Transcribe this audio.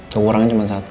kekurangannya cuman satu